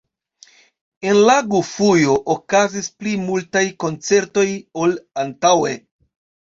En la gufujo okazis pli multaj koncertoj ol antaŭe.